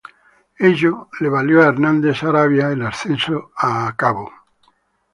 Ello le valió a Hernández Saravia el ascenso a general.